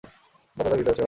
বাচ্চা তার ভিতরে আছে, ভানু।